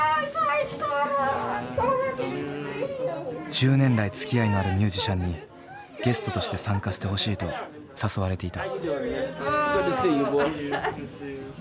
１０年来つきあいのあるミュージシャンにゲストとして参加してほしいと誘われていた。